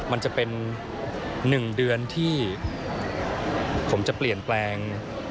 มันจะเป็น๑เดือนที่ผมจะเปลี่ยนแปลง